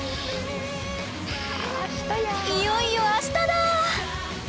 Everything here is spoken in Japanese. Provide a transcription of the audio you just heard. いよいよ明日だ！